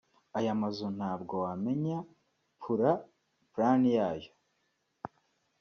aya mazu ntabwo wamenya pula (plan) yayo